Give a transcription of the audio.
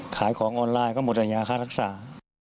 ขายของออนไลน์ก็หมดแต่ยาค่ารักษา